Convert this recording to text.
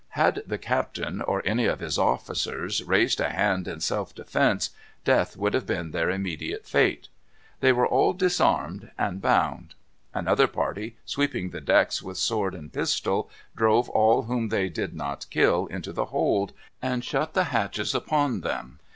Had the captain or any of his officers raised a hand in self defence, death would have been their immediate fate. They were all disarmed and bound. Another party, sweeping the decks with sword and pistol, drove all whom they did not kill into the hold, and shut the hatches upon them.